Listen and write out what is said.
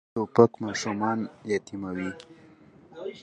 توپک ماشومان یتیموي.